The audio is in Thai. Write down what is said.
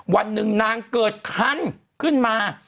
วันหนึ่งนางเกิดคันขึ้นมา